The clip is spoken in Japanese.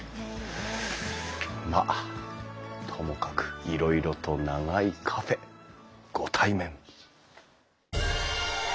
まあともかくいろいろと長いカフェご対面！